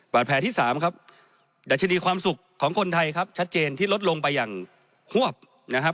แผลที่สามครับดัชนีความสุขของคนไทยครับชัดเจนที่ลดลงไปอย่างฮวบนะครับ